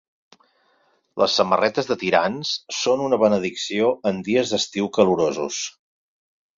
Les samarretes de tirants són una benedicció en dies d'estiu calorosos.